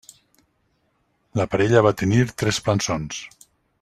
La parella va tenir tres plançons.